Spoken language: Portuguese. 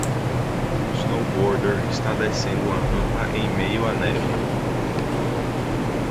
Um snowboarder está descendo uma rampa em meio a neve.